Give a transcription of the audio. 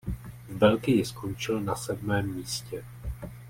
V Belgii skončil na sedmém místě.